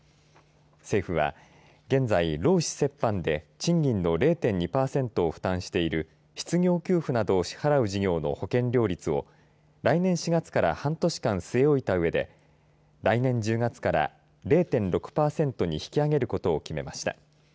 政府は現在、労使折半で賃金の０．２パーセントを負担している失業給付などを支払う事業の保険料率を来年４月から半年間据え置いたうえで来年１０月から０．６パーセントに引き上げることを決めました。